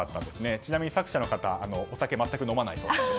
ちなみに作者の方お酒全く飲まないそうです。